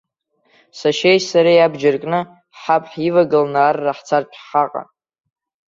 Сашьеи сареи абџьар кны, ҳаб ҳивагыланы арра ҳцартә ҳаҟан.